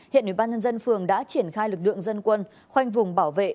hiện nữ ban nhân dân phường đã triển khai lực lượng dân quân khoanh vùng bảo vệ